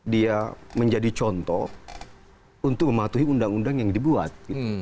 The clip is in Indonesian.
dia menjadi contoh untuk mematuhi undang undang yang dibuat